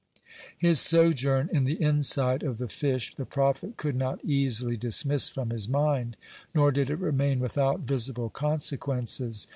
His sojourn in the inside of the fish the prophet could not easily dismiss from his mind, nor did it remain without visible consequences.